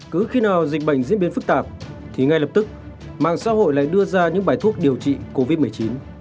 cứ khi nào dịch bệnh diễn biến phức tạp thì ngay lập tức mạng xã hội lại đưa ra những bài thuốc điều trị covid một mươi chín